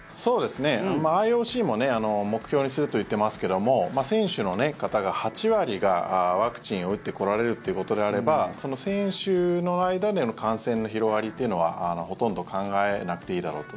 ＩＯＣも目標にすると言ってますけども選手の方が８割がワクチンを打ってこられるということであれば選手の間での感染の広がりというのはほとんど考えなくていいだろうと。